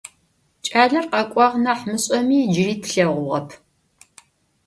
Ç'aler khek'uağ nah mış'emi, cıri tlheğuğep.